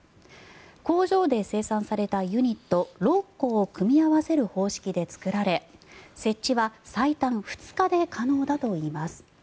工場で生産されたユニット６個を組み合わせる方式で作られ設置は最短２日で可能だといいます。